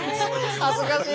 恥ずかしい！